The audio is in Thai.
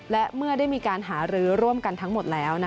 และเมื่อได้มีการหารือร่วมกันทั้งหมดแล้ว